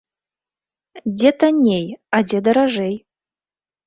Дзе танней, а дзе даражэй?